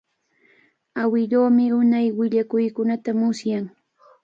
Awiluumi unay willakuykunata musyan.